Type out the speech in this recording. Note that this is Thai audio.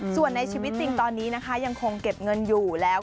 ส่วนในชีวิตจริงตอนนี้นะคะยังคงเก็บเงินอยู่แล้ว